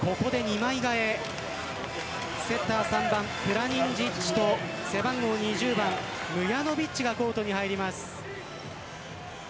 セッター３番プラニンジッチと背番号２０番、ムヤノビッチがコートに入ります。